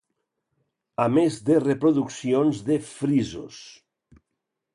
A més de reproduccions de frisos.